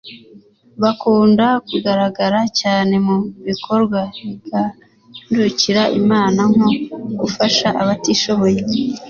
bakunda kugaragara cyane mu bikorwa bigandukira Imana nko gufasha abatishoboye